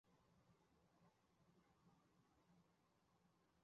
卡尔多苏莫雷拉是巴西里约热内卢州的一个市镇。